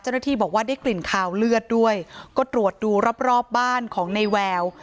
เจ้าหน้าที่บอกว่าได้กลิ่นคาวเลือดด้วยก็ตรวจดูรอบรอบบ้านของในแวว